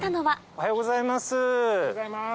おはようございます。